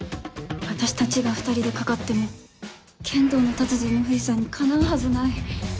私たちが２人でかかっても剣道の達人の藤さんにかなうはずない。